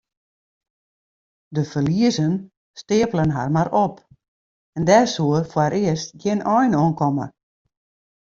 De ferliezen steapelen har mar op en dêr soe foarearst gjin ein oan komme.